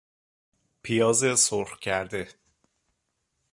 پیاز سرخ کرده